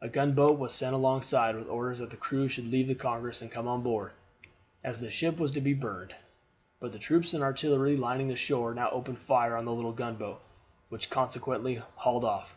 A gunboat was sent alongside, with orders that the crew should leave the Congress and come on board, as the ship was to be burned. But the troops and artillery lining the shore now opened fire on the little gunboat, which consequently hauled off.